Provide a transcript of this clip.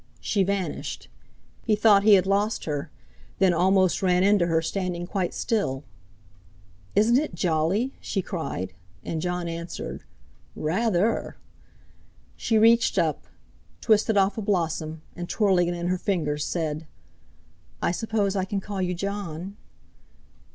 She vanished. He thought he had lost her, then almost ran into her standing quite still. "Isn't it jolly?" she cried, and Jon answered: "Rather!" She reached up, twisted off a blossom and, twirling it in her fingers, said: "I suppose I can call you Jon?"